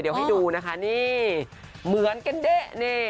เดี๋ยวให้ดูนะคะนี่เหมือนกันเด้นี่